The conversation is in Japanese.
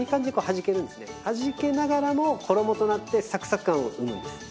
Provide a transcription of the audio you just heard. はじけながらも衣となってサクサク感を生むんです。